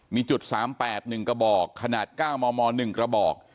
มีจุด๓๘๑กระบอกขนาด๙มม๑กระบอก